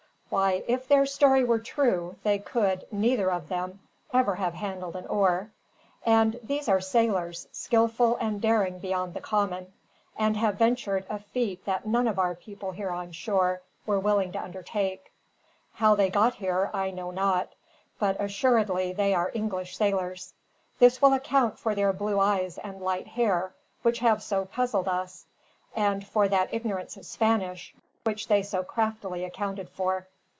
Why, if their story were true they could, neither of them, ever have handled an oar; and these are sailors, skillful and daring beyond the common, and have ventured a feat that none of our people here on shore were willing to undertake. How they got here I know not, but assuredly they are English sailors. This will account for their blue eyes and light hair, which have so puzzled us; and for that ignorance of Spanish, which they so craftily accounted for."